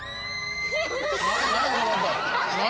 何？